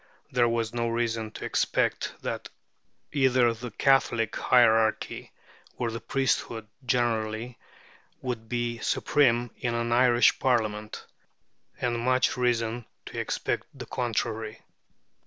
There was no reason to expect that either the Catholic hierarchy or the priesthood generally would be supreme in an Irish Parliament, and much reason to expect the contrary.